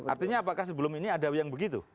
artinya apakah sebelum ini ada yang begitu